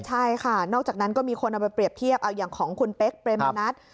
ใช่ค่ะนอกจากนั้นก็มีคนเอาไปเรียบเทียบเอาอย่างของคุณเป๊กเปรมมณัฐ